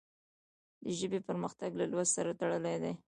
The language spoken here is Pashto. د ژبې پرمختګ له لوست سره تړلی دی.